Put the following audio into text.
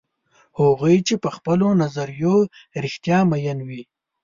هغوی چې په خپلو نظریو رښتیا میین وي.